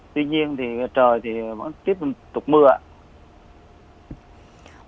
tuy nhiên thì trời thì vẫn tiếp tục mưa